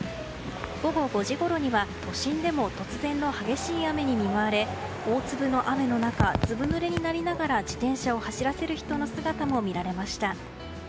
午後５時ごろには都心でも突然の激しい雨に見舞われ大粒の雨の中ずぶぬれになりながら自転車を走らせる人の姿も見られました。